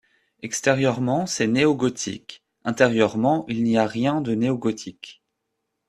Extérieurement c'est néo-gothique ; intérieurement il n'y a rien de néo-gothique.